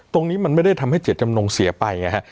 ตรงนี้มันไม่ได้ทำให้เจตจำนงเสียไปไงฮะ